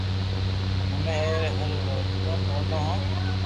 امي ائري ھر واتو مونو ھون